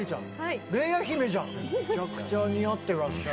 めちゃくちゃ似合ってらっしゃいますよ。